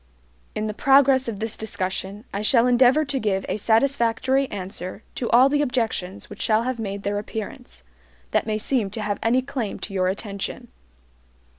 In the progress of this discussion I shall endeavor to give a satisfactory answer to all the objections which shall have made their appearance, that may seem to have any claim to your attention.